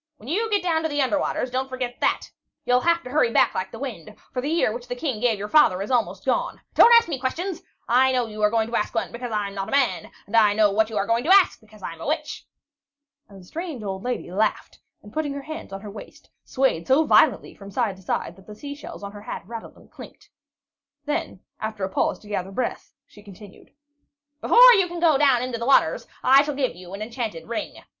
When you do get to the under waters, don't forget that. You'll have to hurry back like the wind, for the year which the King gave your father is almost gone. Don't ask me questions! I know you are going to ask one, because I'm not a man; and I know what you are going to ask, because I'm a witch." And the strange old lady laughed and, putting her hands on her waist, swayed so violently from side to side that the sea shells on her hat rattled and clicked. Then, after a pause to gather breath, she continued: "Before you can go down into the waters, I shall have to give you an enchanted ring.